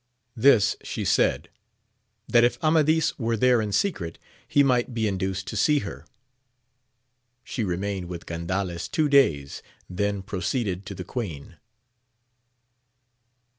This she said, that if Amadis were there in secret, he might be induced to see her. She remained with Gandales two days, then proceeded to the queen.